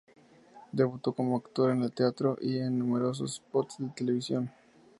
Debutó como actor en el teatro, y en numerosos spots de televisión.